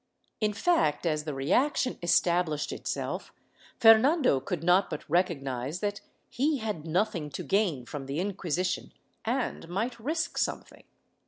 In fact, as the reaction established itself, Fernando could not but recognize that he had nothing to gain from the Inquisition and might risk something.